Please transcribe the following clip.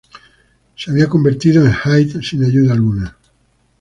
Se había convertido en Hyde sin ayuda alguna.